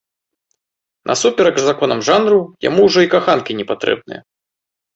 Насуперак законам жанру, яму ўжо і каханкі не патрэбныя.